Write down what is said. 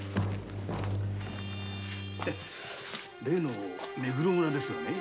例の目黒村ですがね。